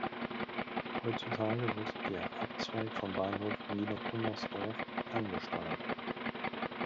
Heutzutage wird der Abzweig vom Bahnhof Niedercunnersdorf ferngesteuert.